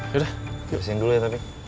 yaudah gue siang dulu ya tapi